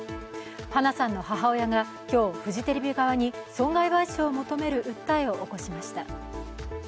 花さんの母親が今日フジテレビ側に損害賠償を求める訴えを起こしました。